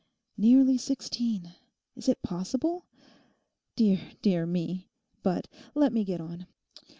"Nearly sixteen!" Is it possible? Dear, dear me? But let me get on.